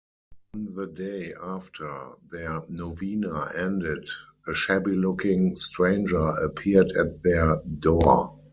On the day after their novena ended a shabby-looking stranger appeared at their door.